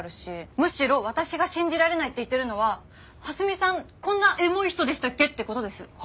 むしろ私が信じられないって言ってるのは蓮見さんこんなエモい人でしたっけって事です。は？